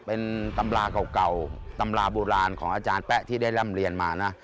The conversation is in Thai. เป็นตำราเก่าตำราโบราณของอาจารย์แป๊ะที่ได้ร่ำเรียนมานะ